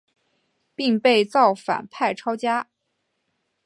并被造反派抄家。